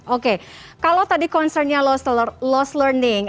oke kalau tadi concernnya lost learning